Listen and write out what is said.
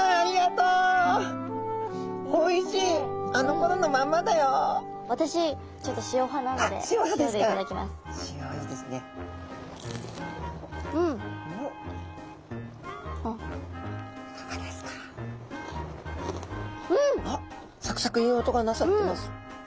うん！あっサクサクいい音がなさってます。